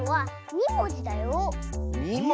２もじ？